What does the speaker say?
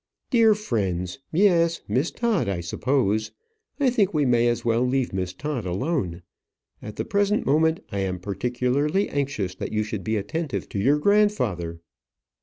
"Dear friends! Yes; Miss Todd, I suppose. I think we may as well leave Miss Todd alone. At the present moment, I am particularly anxious that you should be attentive to your grandfather."